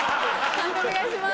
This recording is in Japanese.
判定お願いします。